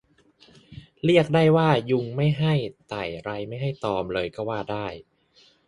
เรียกได้ว่ายุงไม่ให้ไต่ไรไม่ให้ตอมเลยก็ว่าได้